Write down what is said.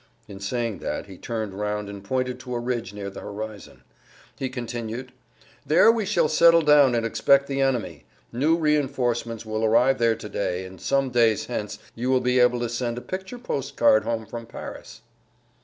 In saying that he turned round and pointed to a ridge near the horizon. He continued: "There we shall settle down and expect the enemy. New reinforcements will arrive there to day, and some days hence you will be able to send a picture postcard home from Paris."